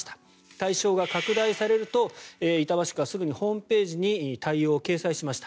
対象が拡大されると板橋区はすぐにホームページに対応を掲載しました。